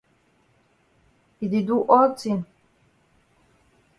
E di do all tin.